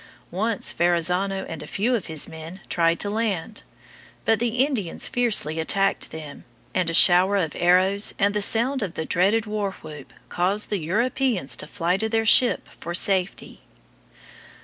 Once Verrazzano and a few of his men tried to land. But the Indians fiercely attacked them, and a shower of arrows and the sound of the dreaded war whoop caused the Europeans to fly to their ship for safety.